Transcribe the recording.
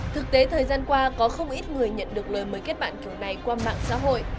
thực tế thời gian qua có không ít người nhận được lời mời kết bạn kiểu này qua mạng xã hội